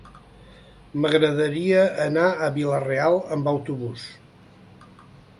M'agradaria anar a Vila-real amb autobús.